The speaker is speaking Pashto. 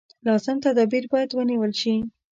لازم تدابیر باید ونېول شي.